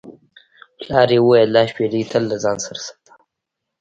پلار یې وویل دا شپیلۍ تل له ځان سره ساته.